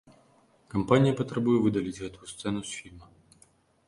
Кампанія патрабуе выдаліць гэтую сцэну з фільма.